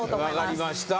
分かりました。